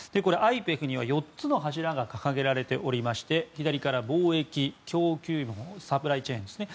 ＩＰＥＦには４つの柱が掲げられておりまして左から貿易、供給網サプライチェーンですね。